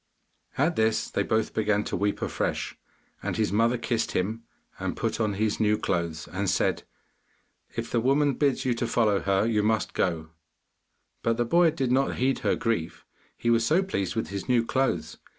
At this they both began to weep afresh, and his mother kissed him, and put on his new clothes and said, 'If the woman bids you to follow her, you must go,' but the boy did not heed her grief, he was so pleased with his new clothes.